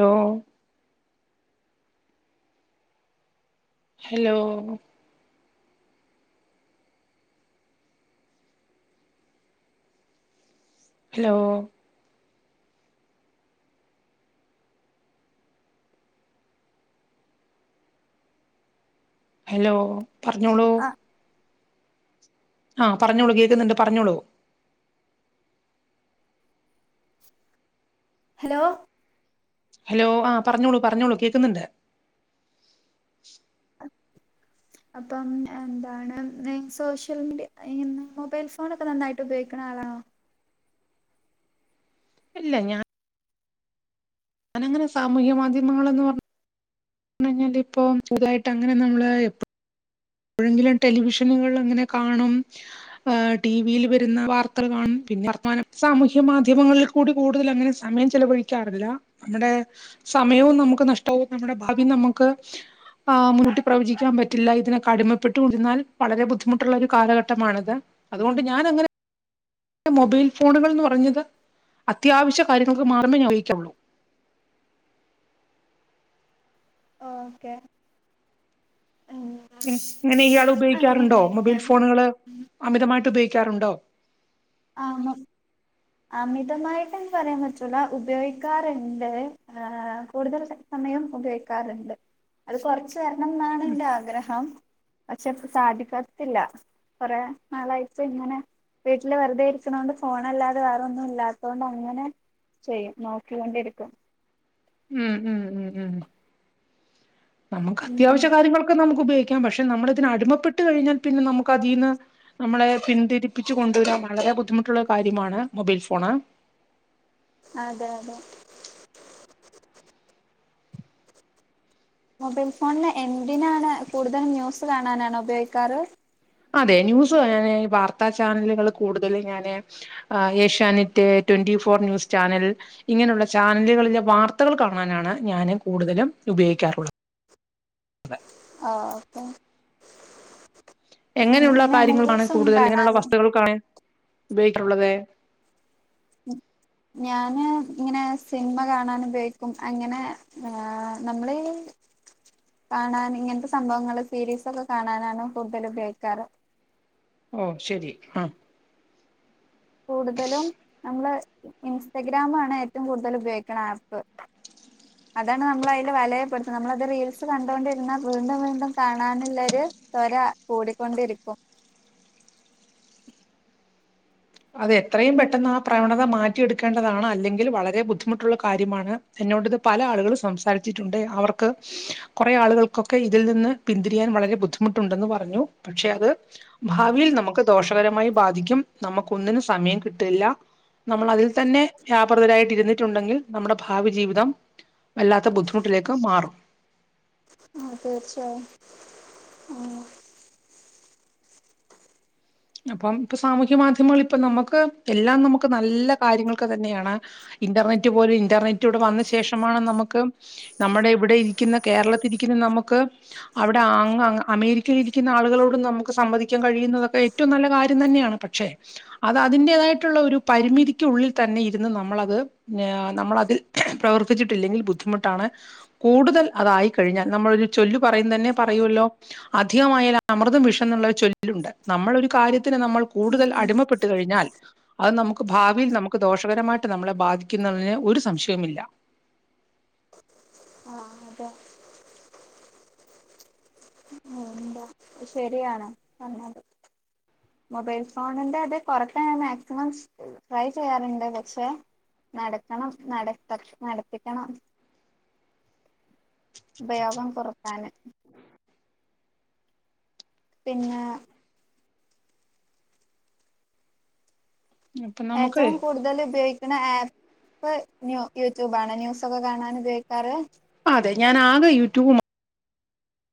Hello? Hello? Hello? Hello പറഞ്ഞോളൂ. ആ ആ പറഞ്ഞോളൂ കേക്കുന്നുണ്ട് പറഞ്ഞോളൂ. ഹലോ? ഹലോ ആ പറഞ്ഞോളൂ പറഞ്ഞോളൂ കേക്കുന്നുണ്ട്. അപ്പം എന്താണ് സോഷ്യൽ മീഡ മൊബൈൽ ഫോണൊക്കെ നന്നായിട്ട് ഉപയോഗിക്ക്ണ ആളാണോ? ഇല്ല ഞാൻ അങ്ങൻ എങ്ങനെ സാമൂഹ്യ മാധ്യമങ്ങള് ഒന്നും ഞ്ഞാൽ ഇപ്പ ചെറുതായിട്ട് അങ്ങനെ നമ്മള്. എപോയങ്കിലും ടെലിവിഷനുകളില് എങ്ങനെ കാണും. ടി വിയിൽ വരുന്ന വാർത്തകൾ കാണും. പിന്നെ വർത്തമാനം സാമൂഹ്യ മാധ്യമങ്ങളിൽ. കൂടി കൂടുതലങ്ങനെ സമയം ചെലവഴിക്കാറില്ല. അങ്ങനെ സമയവും നമുക്ക് നഷ്ടവും നമ്മുടെ ഭാവി നമുക്ക് ആ മുൻകൂട്ടി പ്രവചിക്കാൻ പറ്റില്ല. ഇതിനെ അടിമപ്പെട്ടുകൊണ്ടിരുന്നാൽ വളരെ ബുദ്ധിമുട്ടുള്ള ഒരു കാലഘട്ടമാണിത്. അതുകൊണ്ട്. ഞാനങ്ങനെ മൊബൈൽ ഫോണുകൾ എന്ന് പറഞ്ഞത്. അത്യാവശ്യ കാര്യങ്ങൾക്ക് മാത്രമേ ഞാൻ ഉപയോഗിക്കാറുള്ളു. ഓക്കെ ഉം ഇങ്ങനെ ഇയാൾ ഉപയോഗിക്കാറുണ്ടോ മൊബൈൽ ഞാന് ഫോണുകള് അമിതമായിട്ട് ഉപയോഗിക്കാറുണ്ടോ ആഹ് മൊ അമിതമായിട്ട്ന്ന് പറയാൻ പറ്റുല ഉപയോഗിക്കാറുണ്ട് ഏഹ് കൂടുതൽ ട സമയം ഉപയോഗിക്കാറുണ്ട് അത് കൊറച്ച് വരണംന്നാണ് എന്റെ ആഗ്രഹം അത് ചേലെപ്പം സാധിക്കത്തില്ല കുറേ നാളായിപ്പ ഇങ്ങനെ വീട്ടില് വെറുതെ ഇരിക്കണൊണ്ട് ഫോണല്ലാത് വേറൊന്നും ഇല്ലാത്തോണ്ട് അങ്ങനെ ചെയ്യും നോക്കികൊണ്ടിരിക്കും ഉം ഉം ഉം ഉം നമുക്ക് ഉം ഉം അത്യാവശ്യ കാര്യങ്ങളൊക്കെ നമുക്ക് ഉപയോഗിക്കാം പക്ഷെ നമ്മളതിന് അടിമപ്പെട്ട് കഴിഞ്ഞാൽ പിന്നെ നമുക്കതീന്ന് നമ്മളെ പിന്തിരിപ്പിച്ച്ച് കൊണ്ടുവരാൻ വളരെ ബുദ്ധിമുട്ടുള്ള കാര്യമാണ് മൊബൈൽ ഫോണ് അതെ അതെ മൊബൈൽ ഫോണില് എന്തിനാണ് കൂടുതലും ന്യൂസ് കാണാനാണോ ഉപയോഗിക്കാറ് അതെ ന്യൂസ് ഞാന് ഈ വാർത്താ ചാനലുകൾ കൂടുതലും ഞാന് Asianet twenty four news channel ഇങ്ങനെയുള്ള ചാനലുകളിലെ വാർത്തകൾ കാണാനാണ് ഞാന് കൂടുതലും ഉപയോഗിക്കാറുള്ള ആഹ് ഓക്കെ എങ്ങനെയുള്ള ഇങ്ങനെ കാര്യങ്ങളാണ് മൂവീസ് ഒന്നും കൂടുതൽ എങ്ങനെയുള്ള കാണാറ് വസ്തുക്കൾക്കാണ് ഉപയോഗിക്കുള്ളത് [inaudible] ഞാന് ഇങ്ങനെ സിനിമ കാണാൻ ഉപയോഗിക്കും അങ്ങനെ നമ്മള് കാണാൻ ഇങ്ങനത്തെ സംഭവങ്ങള് സീരീസൊക്കെ കാണാനാണ് കൂടുതൽ ഉപയോഗിക്കാറ് ഓഹ് ശെരി ആഹ് കൂടുതലും നമ്മള് ഇൻസ്റ്റഗ്രാമാണ് ഏറ്റവും കൂടുതല് ഉപയോഗിക്കണ ആപ്പ് അതാണ് നമ്മൾ അതില് വലയപ്പെടുത്തുന്നത് നമ്മളത് റീൽസ് കണ്ടൊണ്ടിരുന്നാ വീണ്ടും വീണ്ടും കാണാനുള്ളൊരു ത്വര കൂടിക്കൊണ്ടിരിക്കും അത് എത്രയും പെട്ടെന്ന് ആ പ്രവണത മാറ്റിയെടുക്കേണ്ടതാണ് അല്ലെങ്കിൽ വളരെ ബുദ്ധിമുട്ടുള്ള കാര്യമാണ് എന്നോടിത് പല ആളുകളും സംസാരിച്ചിട്ടുണ്ട് അവർക്ക് കുറെ ആളുകൾക്കൊക്കെ ഇതിൽ നിന്ന് പിന്തിരിയാൻ വളരെ ബുദ്ധിമുട്ടുണ്ടെന്ന് പറഞ്ഞു പക്ഷെ അത് ഭാവിയിൽ നമുക്ക് ദോഷകരമായി ബാധിക്കും നമുക്ക് ഒന്നിനും സമയം കിട്ടില്ല നമ്മളതിൽ തന്നെ വ്യാപൃതരായിട്ടിരുന്നി റ്റുണ്ടെങ്കിൽ നമ്മുടെ ഭാവി ജീവിതം വല്ലാത്ത ബുദ്ധിമുട്ടിലേക്ക് മാറും ആഹ് തീർച്ചയായും ആഹ് അപ്പം ഇപ്പൊ സാമൂഹ്യ മാധ്യമങ്ങ ഇപ്പ നമുക്ക് എല്ലാം നമുക്ക് നല്ല കാര്യങ്ങൾക്കു തന്നെയാണ് ഇന്റർനെറ്റ് പോലും ഇന്റർനെറ്റ് ഇവിടെ വന്ന ശേഷമാണ് നമുക്ക് നമ്മുടെ ഇവിടെയി രിക്കുന്ന കേരളത്തിലിരിക്കുന്ന നമ്മക്ക് അവിടെ അങ്ങ് അമേരിക്കയിലിരിക്കുന്ന ആളുകളോട് നമുക്ക് സംവാദിക്കാൻ കഴിയുന്നതൊക്കെ ഏറ്റവും നല്ല കാര്യം തന്നെയാണ് പക്ഷേ അത് അതിന്റേതായിട്ടുള്ള ഒരു പരിമിതിക്കുള്ളിൽ തന്നെ ഇരുന്ന് നമ്മളത് നമ്മളതിൽ പ്രവർത്തിച്ചിട്ടില്ലെങ്കിൽ ബുദ്ധിമുട്ടാണ് കൂടുതൽ അതായി കഴിഞ്ഞാൽ നമ്മളൊരു ചൊല്ലു പറയുന്ന തന്നെ പറയൂല്ലോ അധികമായാൽ അമൃതും വിഷം എന്നുള്ളൊരു ചൊല്ലുണ്ട്. നമ്മളൊരു കാര്യത്തിന് നമ്മൾ കൂടുതൽ അടിമപ്പെട്ടു കഴിഞ്ഞാൽ അത് നമുക്ക് ഭാവിയിൽ നമുക്ക് ദോഷകരമായിട്ട് നമ്മളെ ബാധിക്കുന്നതിന് ഒരു സംശയമില്ല. ആഹ് അതെ. എന്താ ശരിയാണ് പറഞ്ഞത്. മൊബൈൽ ഫോണിന്റെ അത് കൊറക്കാൻ ഞാൻ മാക്സിമം ട്രൈ ചെയ്യാറുണ്ട്. പക്ഷേ നടക്കണം നട തക് നടപ്പിക്കണം. ഉപയോഗം കൊറക്കാന്. പിന്നാ അപ്പൊ നമുക്ക് ഏറ്റവും കൂടുതല് ഉപയോഗിക്കുന്ന ആപ്പ്? ക്ക് ന്യൂ യൂട്യൂബാണോ ന്യൂസൊക്കെ കാണാൻ ഉപയോഗിക്കാറ് അതെ ഞാൻ ആകെ യൂട്യൂബ് മാ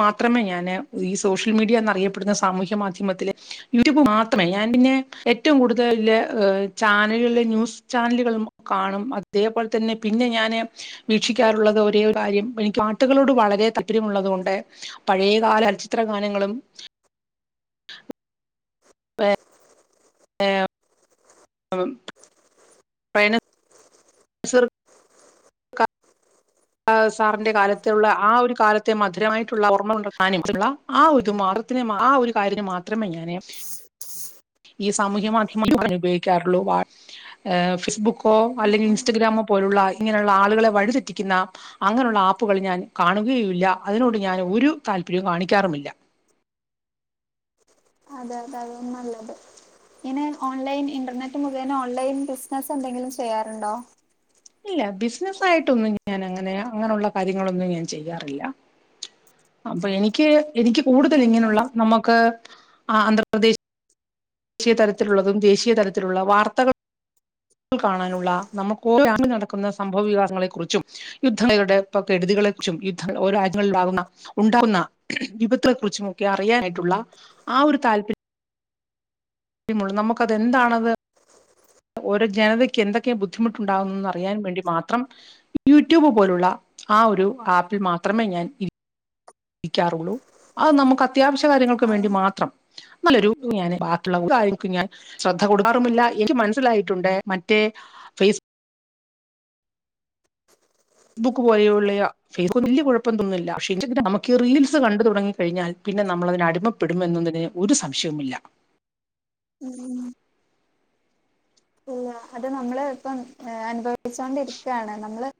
മാത്രമേ ഞാന് ഈ സോഷ്യൽ മീഡിയ എന്നറിയപ്പെടുന്ന സാമൂഹ്യ മാധ്യമത്തില് യൂട്യൂബ് മാത്രമല്ല ഞാൻ പിന്നെ ഏറ്റവും കൂടുതല് ചാനലുകളെ ന്യൂസ് ചാനലുകളും കാണും അതേപോൽ തന്നെ പിന്നെ ഞാന് വീക്ഷിക്കാറുള്ളത് ഒരേ ഒര് കാര്യം എനിക്ക് പാട്ടുകളോട് വളരെ താപര്യമുള്ളതോണ്ട് പഴേ കാല ചലച്ചിത്ര ഗാനങ്ങളും ഏ ഏം ഉം പൈന് സ്ർ ക ആ സാറിന്റെ കാലത്തുള്ള ആ ഒരു കാലത്തെ മധുരമായിട്ടുള്ള ഓർമ കൊണ്ട് അവസാനിച്ചിട്ടുള്ള ആ ഒരു മാർത്തിന് ആ ഒരു കാര്യത്തിനു മാത്രമേ ഞാന് ഈ സാമൂഹ്യ മാധ്യമങ്ങളെ ഉപയോഗിക്കാറുള്ളു ആ ഫേസ്ബുക്കോ അല്ലെങ്കി ഇൻ ഇൻസ്റ്റഗ്രാമോ പോലുള്ള ഇങ്ങനുള്ള ആളുകളെ വഴിതെറ്റിക്കുന്ന അങ്ങനുള്ള ആപ്പുകൾ ഞാൻ കാണുകയേ ഇല്ല അതിനോട് ഞാൻ ഒരു താല്പരൃം കാണിക്കാറുമില്ല. അതെ അത അതാ നല്ലത്. പിന്നെ ഓൺലൈൻ ഇന്റർനെറ്റ് മുഖേന ഓൺലൈൻ ബിസിനസ്സ് എന്തെങ്കിലും ചെയ്യാറുണ്ടോ? ഇല്ല ബിസിനസ് ആയിട്ടൊന്നും ഞാൻ അങ്ങനെ അങ്ങനുള്ള കാര്യങ്ങളൊന്നും ഞാൻ ചെയ്യാറില്ല. അപ്പ എനിക്ക് എനിക്ക് കൂടുതൽ ഓക്കെ ഇങ്ങനുള്ള നമക്ക് ആന്ധ്രാപ്രദേശ്- ദേശീയ തരത്തിലുള്ളതും ദേശീയ തലത്തിലുള്ള വാർത്തകൾ കാണാനുള്ള നമുക്ക് [inaudible] നടക്കുന്ന സംഭവ വികാസങ്ങളെ കുറിച്ചും യുദ്ധങ്ങളുടെ ഇപ്പ കരുതികളെ കുറിച്ചും യുദ്ധങ്ങൾ ഓരൊ രാജ്യങ്ങളിലുണ്ടാകുന്ന ഉണ്ടാവുന്ന വിപത്ത് കുറച്ച്മൊക്കെ അറിയാനായിട്ടുള്ള ആ ഒരു താല്പര്യം ഉള്ളു നമുക്കത് എന്താണത് ഓരോ ജനതക്ക് എന്തൊക്കെ ബുദ്ധിമുട്ടുണ്ടാകുന്നന്ന് അറിയാൻ വേണ്ടി മാത്രം യൂട്യൂബ് പോലുള്ള ആ ഒരു ആപ്പിൽ മാത്രമേ ഞാൻ ഇരി ഇരിക്കാറുള്ളൂ അത് നമുക്ക് അത്യാവശ്യ കാര്യങ്ങൾക്ക് ആഹ് വേണ്ടി മാത്രം. നല്ലൊരു ഞാന് ആട്ട്ള്ള ഒരാൾക്കും ഞാൻ ശ്രദ്ധ കൊടുക്കാറുമില്ല. എനിക്ക് മനസ്സിലായിട്ടുണ്ട് മറ്റേ ഫേസ് ബുക്ക് പോലെയുള്ളയ ഫേസ്ബുക്ക്‌ വലൃ കുഴപ്പൊന്നുല്ല പക്ഷേ നമുക്ക് റീൽസ് കണ്ടു തുടങ്ങി കഴിഞ്ഞാൽ പിന്നെ നമ്മളതിന് അടിമ പെടുമെന്നതിന് ഒരു സംശയവുമില്ല. ഉം ഇല്ല. അത് നമ്മള് ഇപ്പം അനുഭവിച്ചോണ്ടിരിക്കാണ് നമ്മള്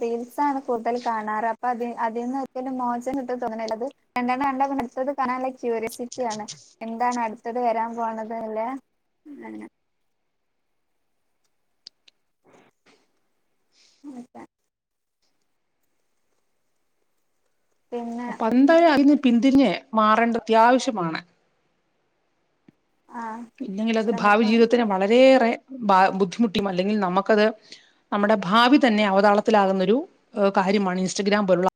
റീൽസാണ് കൂടുതൽ കാണാറ്. അപ്പൊ അതി അതീന്ന് ഒരിക്കലും മോചനം കിട്ടും തോന്നണില്ല അത് രണ്ടെണ്ണം കണ്ടാ പിന്നെ അടുത്തത് കാണന്ള്ള ക്യൂരിയോസിറ്റി ആണ്. എന്താണ്‌ അടുത്തത് വെരാൻ പോണത് എന്ന്ള്ളെ [unintelligible] [unintelligible] പിന്നെ അപ്പന്തായാലും അതിന്ന് പിന്തിരിഞ്ഞ് മാറെണ്ടെ അത്യാവശ്യമാണ്. ആഹ് ഇല്ലെങ്കിലത് ഭാവി ശ്രമിക്കാം ജീവിതത്തിന് വളരെയേറെ ബ ബുദ്ധിമുട്ടിയും അല്ലെങ്കിൽ നമ്മക്കത്. നമ്മടെ ഭാവി തന്നെ അവതാളത്തിലാകുന്നൊരു കാര്യമാണ്. ഇൻസ്റ്റഗ്രാം പോലുള്ള.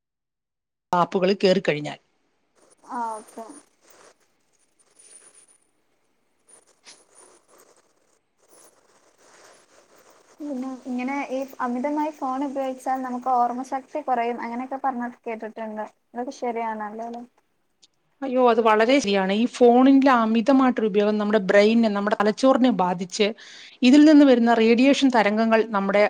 ആപ്പുകളിൽ കേറിക്കഴിഞ്ഞാൽ ആഹ് ഓക്കെ. പിന്നെ ഇങ്ങനെ ഈ അമിതമായി ഫോൺ ഉപയോഗിച്ചാൽ നമ്മുക്ക് ഓർമ്മ ശക്തി കൊറെയും അങ്ങനെയെക്കെ പറഞ്ഞ. കേട്ടിട്ടുണ്ട്. ഇതൊക്കെ ശെരിയാണല്ലൊലെ. അയ്യോ അത് വളരെ ശരിയാണ്. ഈ ഫോണിന്റെ അമിതമായിട്ടൊരു ഉപയോഗം നമ്മെടെ ബ്രെയിനെ നമ്മടെ തലച്ചോറിനെ ബാധിച്ച്. ഇതിൽ നിന്ന് വെരുന്ന റേഡിയേഷൻ തരംഗങ്ങൾ നമ്മെടെ.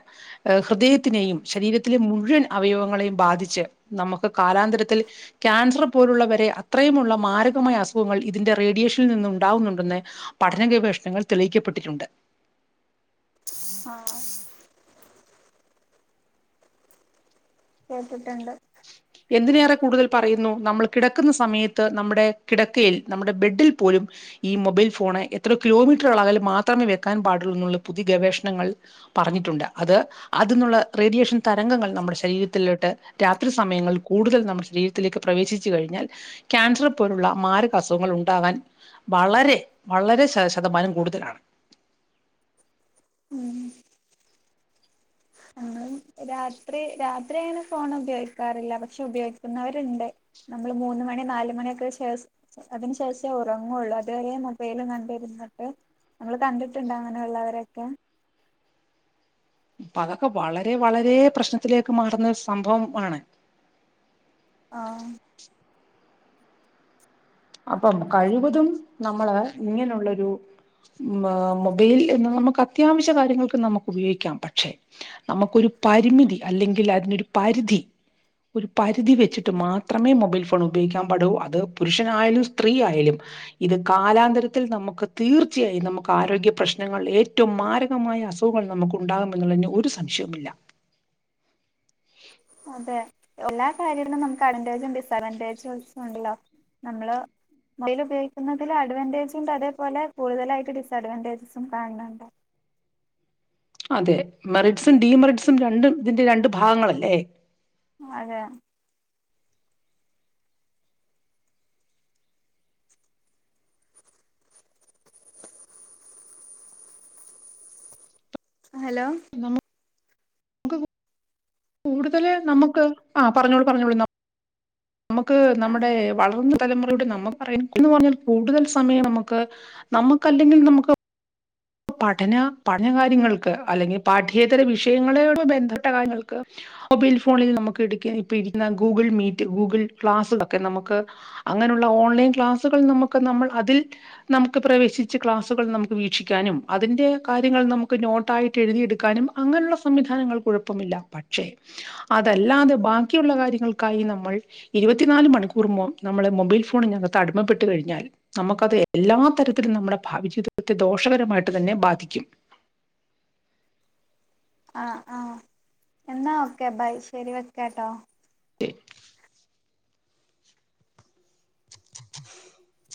ഏഹ് ഹൃദയത്തിനെയും ശരീരത്തിലെ മുഴുവൻ അവയവങ്ങളെയും ബാധിച്ച്. നമ്മെക്ക് കാലാന്തരത്തിൽ ക്യാൻസർ പോലുള്ളവരെ അത്രെയുമുള്ള മാരകമായ അസുഖങ്ങൾ, ഇതിന്റെ റേഡിയേഷനിൽ നിന്ന് ഉണ്ടാകുന്നുണ്ടെന്ന്. പഠന ഗവേഷണങ്ങൾ തെളിയിക്കപ്പെട്ടിട്ടുണ്ട്. ആഹ് കേട്ടിട്ടൊണ്ട്. എന്തിനേറെ കൂടുതൽ പറയുന്നു. നമ്മൾ കിടക്ക്ന്ന സമയത്ത് നമ്മെടെ കിടക്കയിൽ നമ്മെടെ ബെഡിൽ പോലും. ഈ മൊബൈൽ ഫോണ് എത്രാേ കിലോമീറ്റർ അകലം മാത്രമേ വെക്കാൻ പാടൊള്ളൂന്നുള്ള പുതിയ ഗവേഷണങ്ങൾ. പറഞ്ഞിട്ടുണ്ട്. അത് അതിന്നുള്ള റേഡിയേഷൻ തരംഗങ്ങൾ നമ്മുടെ ശരീരത്തിലോട്ട് രാത്രി. സമയങ്ങൾ കൂടുതൽ നമ്മുടെ ശരീരത്തിലേക്ക് പ്രവേശിച്ചു കഴിഞ്ഞാൽ. ക്യാൻസർ പോലുള്ള മാരക് അസുഖങ്ങൾ ഉണ്ടാവാൻ. വളരെ വളരെ ശ ശതമാനം കൂടുതലാണ്. ഉം ഞങ്ങളും രാത്രി രാത്രി അങ്ങനെ ഫോണ് ഉപയോഗിക്കാറില്ല. പക്ഷെ ഉപയോഗിക്കുന്നവര്ണ്ട്. നമ്മള് മൂന്ന് മണി നാല് മണിയൊക്കെ ശേസ് അതിന് ശേഷേ ഒറങ്ങുള്ളു. അതുവരെ മൊബൈലും കണ്ടിരുന്നിട്ട്. അങ്ങള് കണ്ടിട്ടുണ്ട് അങ്ങനെയുള്ളവരെയെക്കെ? അപ്പ അതൊക്കെ വളരെ വളരെ പ്രശ്നത്തിലേക്ക് മാറുന്ന രു സംഭവം ആണ്. ആഹ് അപ്പം കഴിവതും നമ്മെള് ഇങ്ങനെ ഉള്ളൊരു. ഉം മൊബൈല് എന്ന് നമുക്ക് അത്യാവശ്യ കാര്യങ്ങൾക്ക് നമുക്ക് ഉപയോഗിക്കാം. പക്ഷെ നമുക്കൊരു പരിമിതി അല്ലെങ്കിൽ അതിനൊരു പരിധി ഒരു പരിധി വെച്ചിട്ട് മാത്രമേ മൊബൈൽ ഫോൺ ഉപയോഗിക്കാൻ പാടു. അത് പുരുഷൻ ആയാലും സ്ത്രീ ആയാലും ഇത് കാലാന്തരത്തിൽ നമ്മക്ക് തീർച്ചയായും നമക്ക് ആരോഗ്യ പ്രശ്നങ്ങൾ ഏറ്റവും മാരകമായ അസു ഖങ്ങൾ നമുക്കുണ്ടാകുമെന്നുള്ളതിന് ഒരു സംശയവും ഇല്ല. അതെ എല്ലാ കാര്യങ്ങളിലും നമുക്ക് അഡ്വന്റേജ് സയഡ്വന്റേജും ഒണ്ടല്ലോ. നമ്മെള്. മൊബൈൽ ഉപയോഗിക്കുന്നതില് അഡ്വവൻറ്റേജും ഇണ്ട്. അതേപോലെ കൂടുതലായിട്ട് ഡിസ്ഡ്വാന്റേജസും കാണ് ണൊണ്ട്. അതെ മെറിറ്റ്സും ഡീമെറിറ്റ്സും രണ്ടും ഇതിന്റെ രണ്ട് ഭാഗങ്ങളല്ലെ. അതെ ഹലൊ. എന്തണ്. കൂടുതല് നമുക്ക് ആ പറഞ്ഞോളൂ പറഞ്ഞോളൂ നമുക്ക് നമ്മുടെ വളർന്ന് തലമുറയോട് നമ്മക്ക് പറയാൻ കൂടുതൽ സമയം നമുക്ക് നമുക്കല്ലെങ്കിൽ നമുക്ക് പഠന പഠന കാര്യങ്ങൾക്ക് അല്ലെങ്കിൽ പാഠ്യേതര വിഷയങ്ങളോട് ബന്ധപ്പെട്ട കാര്യങ്ങൾക്ക് മൊബൈൽ ഫോണിൽ നമുക്ക് എടുക്ക ഇപ്പയിരുന്നാൽ ഗൂഗിൾ മീറ്റ് ഗൂഗിൾ ക്ലാസുകളൊക്കെ നമ്മക്ക് അങ്ങനെയുള്ള ഓൺലൈൻ ക്ലാസുകൾ നമ്മക്ക് നമ്മൾ അതിൽ നമ്മക്ക് പ്രവേശിച്ച് ക്ലാസുകൾ നമ്മക്ക് വീക്ഷിക്ക് നും അതിന്റെ കാര്യങ്ങൾ നമുക്ക് നോട്ടായിട്ട് എഴുതിയെടുക്കാനും അങ്ങനെയുള്ള സംവിധാനങ്ങൾക്ക് കുഴപ്പമില്ല പക്ഷെ അതല്ലാതെ ബാക്കിയുള്ള കാര്യങ്ങൾക്കായി നമ്മൾ ഇരുപത്തിനാല് മണിക്കൂർ മു നമ്മള് മൊബൈൽ ഫോണിനകത്ത് അടമപ്പെട്ട് കഴിഞ്ഞാൽ നമുക്കത് എല്ലാ തരത്തിലും നമ്മുടെ ഭാവിജീവിതത്തെ ദോഷകരമായിട്ട് തന്നെ ബാധിക്കും ആഹ് ആഹ് എന്നാ ഓക്കെ ബൈ ശരി വെക്കട്ടോ [unintelligible] [unintelligible]